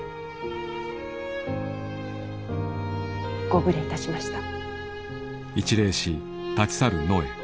ご無礼いたしました。